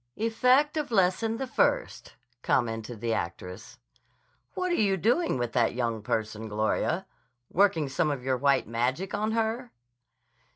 "Effect of Lesson the First," commented the actress. "What are you doing with that young person, Gloria? Working some of your white magic on her?"